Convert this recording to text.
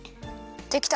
できた。